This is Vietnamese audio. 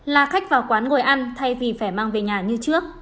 là khách vào quán ngồi ăn thay vì phải mang về nhà như trước